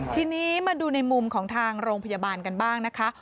ทีนี้มาดูในมุมของทางโรงพยาบาลกันบ้างนะคะ